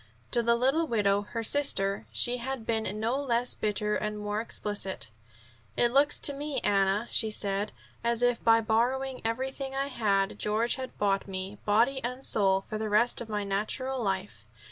To the little widow, her sister, she had been no less bitter, and more explicit. "It looks to me, Anna," she said, "as if by borrowing everything I had George had bought me, body and soul, for the rest of my natural life.